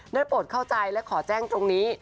โปรดเข้าใจและขอแจ้งตรงนี้